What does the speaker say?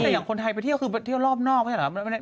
แต่อย่างคนไทยไปเที่ยวคือไปเที่ยวรอบนอกไม่ใช่เหรอ